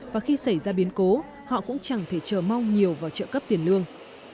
và khi xảy ra biến cố họ cũng chẳng thể chờ mong nhiều vào trợ cấp tiền lương